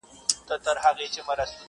منظور پښتین ته:٫